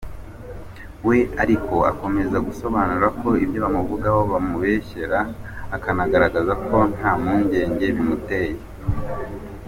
We ariko akomeza gusobanura ko ibyo bamuvugaho bamubeshyera, akanagaragaza ko nta mpungenge bimuteye.